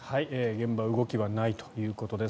現場、動きはないということです。